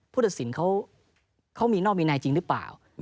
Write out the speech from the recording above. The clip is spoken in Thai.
พฤศิษฐ์เขามีนอกมีนายจริงหรือเปล่า